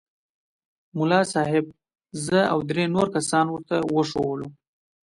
ملا صاحب زه او درې نور کسان ورته وښوولو.